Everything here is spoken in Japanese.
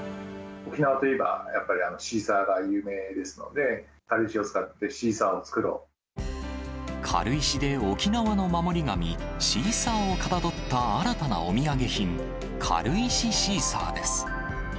沖縄といえばやっぱりシーサーが有名ですので、軽石で沖縄の守り神、シーサーをかたどった新たなお土産品、軽石シーサーです。